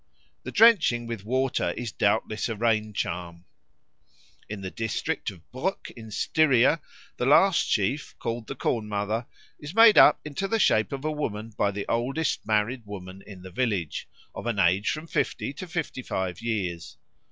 The drenching with water is doubtless a rain charm. In the district of Bruck in Styria the last sheaf, called the Corn mother, is made up into the shape of a woman by the oldest married woman in the village, of an age from fifty to fifty five years.